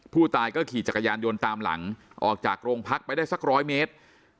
ผู้ตายก็ขี่จักรยานยนต์ตามหลังออกจากโรงพักไปได้สัก๑๐๐เมตร